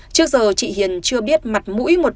trước giờ chị hiền chưa biết mặt mũi một